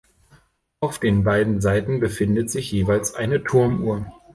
Auf den beiden Seiten befindet sich jeweils eine Turmuhr.